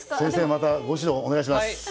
先生またご指導お願いします。